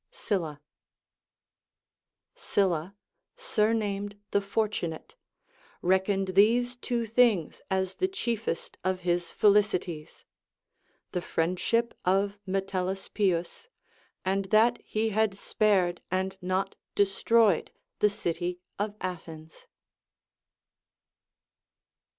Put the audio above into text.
Sylla. Sylla, surnamed the Fortunate, reckoned these two things as the chiefest of his felicities, — the friend ship of Metellus Pius, and that he had spared and not destroyed the city of Athens.